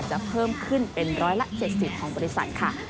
เพิ่มขึ้นเป็น๑๗๐ของบริษัทค่ะ